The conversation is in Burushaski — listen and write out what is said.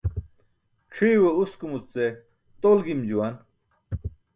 C̣ʰiyuwe uskumuc ce tol gim juwan.